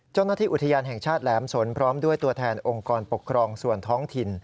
เจ้าหน้าที่อุทยานแห่งชาติแหลมสนพร้อมด้วยตัวแทนองค์กรปกครองส่วนท้องถิ่น